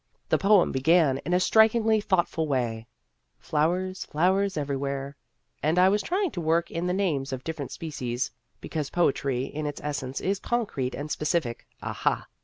The poem began in a strikingly thoughtful way, " Flowers, flowers, everywhere," and I was trying to work in the names of different species (because poetry in its essence is concrete and specific, aha